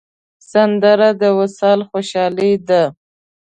سندره د وصال خوشحالي ده